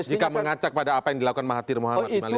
jika mengacak pada apa yang dilakukan mahathir muhammad